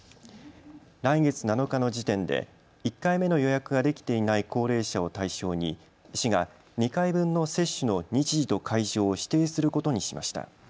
来月７日の時点で１回目の予約ができていない高齢者を対象に市が２回分の接種の日時と会場を指定することにしました。